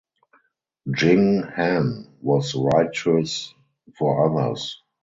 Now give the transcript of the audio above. Jing Han was righteous for others.